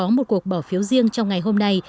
thượng viện mỹ đã được bỏ phiếu riêng trong ngày hôm nay